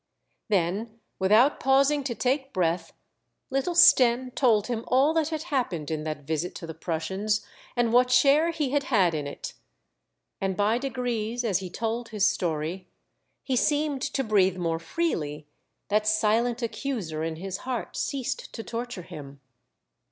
Then without pausing to take breath, little Stenne told him all that had happened in that visit to the Prussians, and what share he had had in it. And, by degrees, as he told his story he seemed to breathe more freely, that silent accuser in his heart ceased to torture him.